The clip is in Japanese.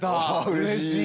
うれしい。